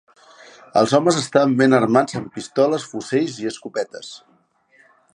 Els homes estaven ben armats amb pistoles, fusells i escopetes.